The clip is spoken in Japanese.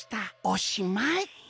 おしまい！」。